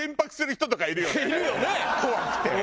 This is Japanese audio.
怖くて。